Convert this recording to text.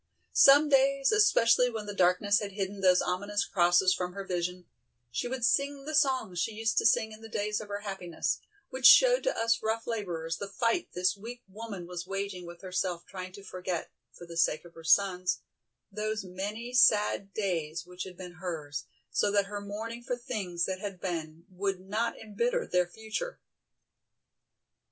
Some days, especially when the darkness had hidden those ominous crosses from her vision, she would sing the songs she used to sing in the days of her happiness, which showed to us rough laborers the fight this weak woman was waging with herself trying to forget, for the sake of her sons, those many sad days which had been hers, so that her mourning for things that had been, would not embitter their future.